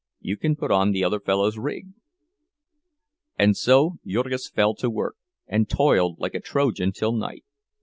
You can put on the other fellow's rig." And so Jurgis fell to work, and toiled like a Trojan till night.